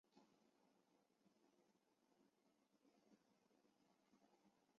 是帘蛤目鸟尾蛤科棘刺鸟蛤属的一种。